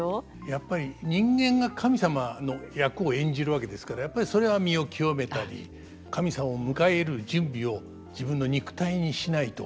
やっぱり人間が神様の役を演じるわけですからやっぱりそれは身を清めたり神様を迎え入れる準備を自分の肉体にしないと。